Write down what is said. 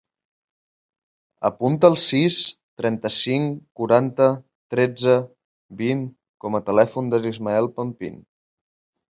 Apunta el sis, trenta-cinc, quaranta, tretze, vint com a telèfon de l'Ismael Pampin.